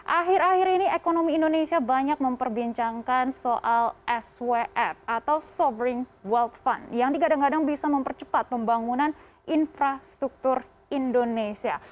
akhir akhir ini ekonomi indonesia banyak memperbincangkan soal swf atau sovereing world fund yang digadang gadang bisa mempercepat pembangunan infrastruktur indonesia